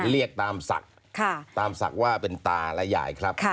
เรียกตามศักดิ์ตามศักดิ์ว่าเป็นตาและยายครับ